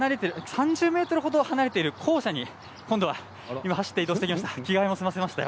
３０ｍほど離れている校舎に今度は走って移動してきました。